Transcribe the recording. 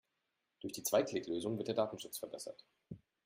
Durch die Zwei-Klick-Lösung wird der Datenschutz verbessert.